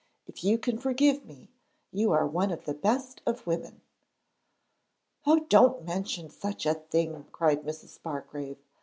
If you can forgive me, you are one of the best of women.' 'Oh! don't mention such a thing,' cried Mrs. Bargrave.